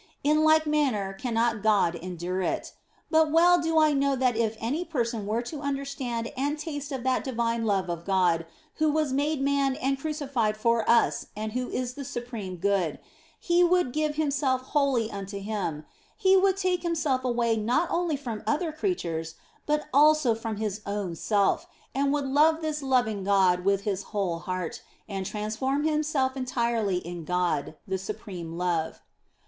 In like manner cannot God endure it. But well do I know that if any person were to understand and taste of that divine love of God who was made man and crucified for us and who is the Supreme Good, he would give himself wholly unto Him, he would take himself away not only from other creatures, but also from his own self, and would love this loving God with his whole heart, and transform himself entirely in God, the Supreme Love.